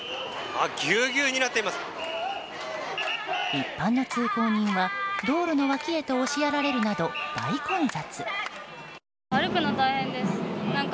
一般の通行人は道路の脇へと押しやられるなど大混雑。